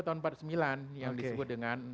tahun empat puluh sembilan yang disebut dengan